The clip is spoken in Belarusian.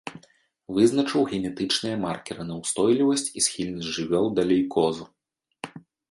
Вызначыў генетычныя маркеры на ўстойлівасць і схільнасць жывёл да лейкозу.